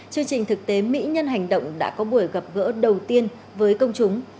chương trình thực tế mỹ nhân hành động đã có buổi gặp gỡ đầu tiên với công chúng